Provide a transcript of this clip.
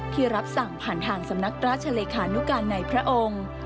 ที่รับสั่งผ่านทางสำนักราชเลขานุการในพระองค์